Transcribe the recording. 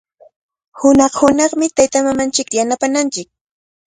Hunaq-hunaqmi taytamamanchikta yanapananchik.